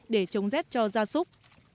để chống rét cho gia súc